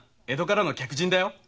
江戸からの客人だよ。